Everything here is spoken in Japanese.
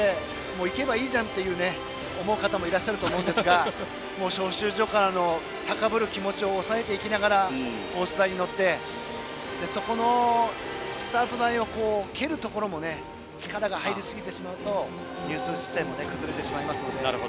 行けばいいじゃんと思う方もいると思うんですが招集所からの高ぶる気持ちを抑えていきながらコース台に乗ってそこのスタート台を蹴るところも力が入りすぎてしまうと入水姿勢も崩れてしまうので。